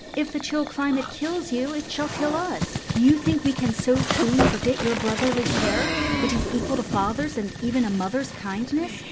If the chill climate kills you, it shall kill us. Do you think we can so soon forget your brotherly care, which has equalled a father's, and even a mother's kindness?